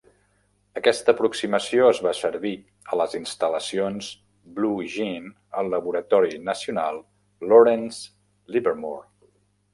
Aquesta aproximació es va servir a les instal·lacions Blue Gene al laboratori nacional Lawrence Livermore.